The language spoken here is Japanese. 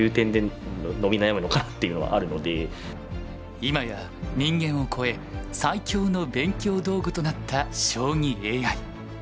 今や人間を超え最強の勉強道具となった将棋ＡＩ。